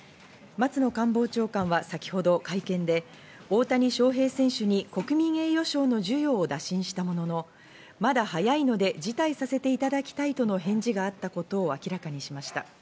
松野官房長官は先ほど会見で、大谷翔平選手に国民栄誉賞の授与を打診したものの、まだ早いので辞退させていただきたいとの返事があったことを明らかにしました。